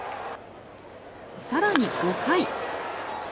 更に５回。